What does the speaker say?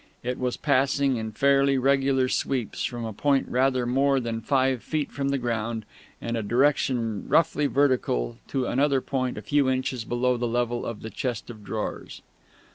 It was passing, in fairly regular sweeps, from a point rather more than five feet from the ground, in a direction roughly vertical, to another point a few inches below the level of the chest of drawers.